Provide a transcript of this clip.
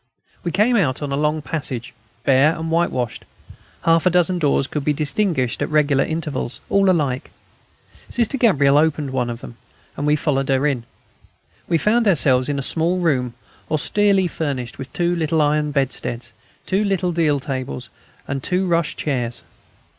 We came out on a long passage, bare and whitewashed. Half a dozen doors could be distinguished at regular intervals, all alike. Sister Gabrielle opened one of them, and we followed her in. We found ourselves in a small room, austerely furnished with two little iron bedsteads, two little deal tables, and two rush chairs.